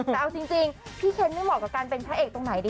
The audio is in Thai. แต่เอาจริงพี่เคนไม่เหมาะกับการเป็นพระเอกตรงไหนดี